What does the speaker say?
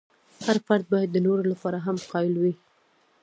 هر فرد باید د نورو لپاره هم قایل وي.